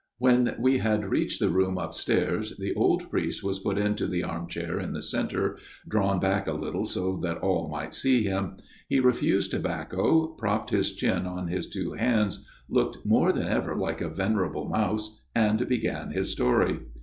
When we had reached the room upstairs, the old priest was put into the arm chair in the centre, drawn back a little so that all might see him ; he refused tobacco, propped his chin on his two hands, looking more than ever like a venerable mouse, and began his story.